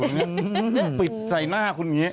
นึงนึงนึงนึงปิดใส่หน้าคุณอยู่